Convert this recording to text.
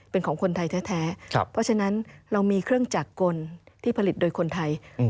เป็นของคนไทยแท้เพราะฉะนั้นเรามีเครื่องจักรกลที่ผลิตโดยคนไทย